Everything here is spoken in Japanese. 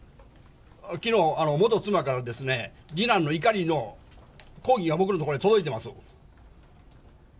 きのう、元妻から次男の怒りの抗議が僕の所に届いてます。